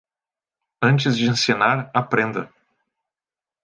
Antes de ensinar, aprenda.